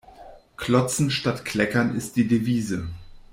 Klotzen statt Kleckern ist die Devise.